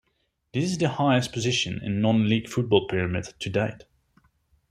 This is their highest position in non-league football 'pyramid' to date.